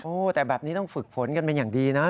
โอ้โหแต่แบบนี้ต้องฝึกฝนกันเป็นอย่างดีนะ